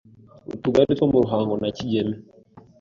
utugari twa Ruhunga na Kigeme